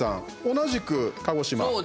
同じく鹿児島。